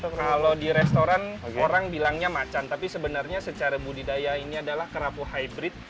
kalau di restoran orang bilangnya macan tapi sebenarnya secara budidaya ini adalah kerapu hybrid